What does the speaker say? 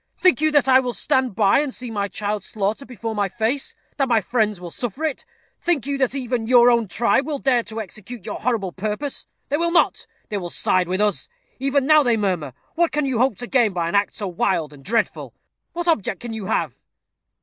"Think you that I will stand by and see my child slaughtered before my face; that my friends will suffer it? Think you that even your own tribe will dare to execute your horrible purpose? They will not. They will side with us. Even now they murmur. What can you hope to gain by an act so wild and dreadful? What object can you have?"